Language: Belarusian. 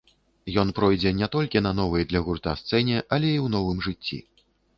Ён пройдзе не толькі на новай для гурта сцэне, але і ў новым жыцці.